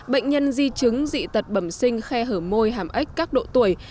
bệnh nhân di chứng dị tật bẩm sinh khe hở môi hàm ếch các độ tuổi